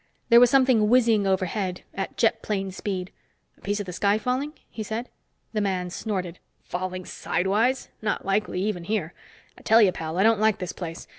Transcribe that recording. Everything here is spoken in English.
There was something whizzing overhead at jet plane speed. "A piece of the sky falling?" he said. The man snorted. "Falling sidewise? Not likely, even here. I tell you, pal, I don't like this place.